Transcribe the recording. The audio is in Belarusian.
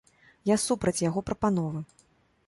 Я супраць яго прапановы.